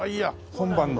今晩の。